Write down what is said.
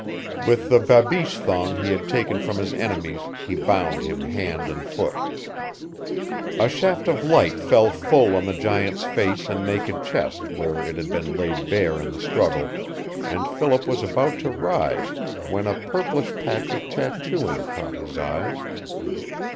With the babiche thong he had taken from his enemies he bound him hand and foot. A shaft of light fell full on the giant's face and naked chest where it had been laid bare in the struggle and Philip was about to rise when a purplish patch, of tattooing caught his eyes.